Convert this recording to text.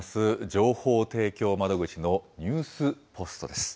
情報提供窓口のニュースポストです。